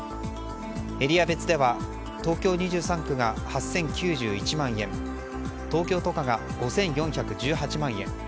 エリア別では東京２３区が８０９１万円東京都下が５４１８万円